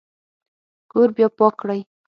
کور بیا پاک کړئ